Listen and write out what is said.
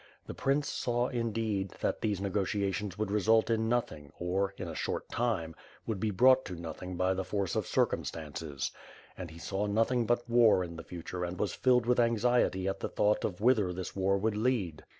The prince saw, indeed, that these negotiations would result in nothing or, in a short time, would be brought to nothing by the force of circum stances. And he saw nothing but war in the future and was filled with anxiety at the thought of whither this war would lead.